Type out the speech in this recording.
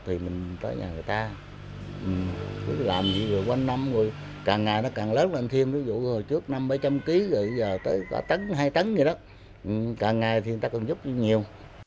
thì mình tới nhà người ta cứ làm gì rồi quanh năm rồi càng ngày nó càng lớn lên thêm ví dụ trước năm mấy trăm ký rồi giờ tới cả tấn hai tấn vậy đó càng ngày thì người ta còn giúp nhiều